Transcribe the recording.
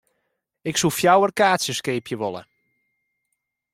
Ik soe fjouwer kaartsjes keapje wolle.